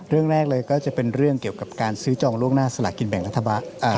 เรื่องแรกเลยก็จะเป็นเรื่องเกี่ยวกับการซื้อจองล่วงหน้าสลากินแบ่งรัฐบาล